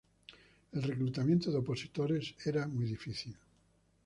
El reclutamiento de opositores era muy difícil.